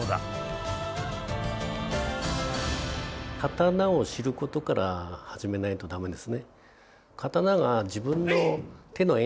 刀を知ることから始めないと駄目ですね。